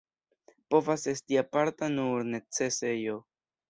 Povas esti aparta nur necesejo.